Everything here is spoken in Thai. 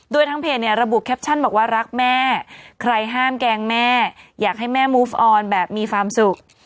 โดยทางเพจเนี่ยระบุแคปชั่นบอกว่ารักแม่ใครห้ามแกล้งแม่อยากให้แม่มูฟออนแบบมีความสุข